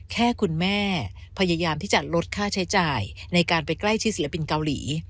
แค่คุณแม่พยายามที่จะลดค่าใช้จ่ายในการไปใกล้ชิดศิลปินเกาหลี